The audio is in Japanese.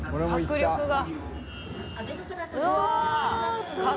迫力が。